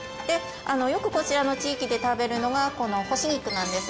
よくこちらの地域で食べるのがこの干し菊なんです。